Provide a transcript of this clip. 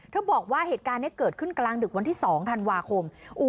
บอกว่าเหตุการณ์นี้เกิดขึ้นกลางดึกวันที่๒ธันวาคม